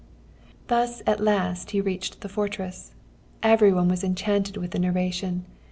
Thus at last he reached the fortress. Every one was enchanted with the narration.